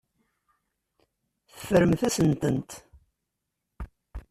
Teffremt-asent-tent.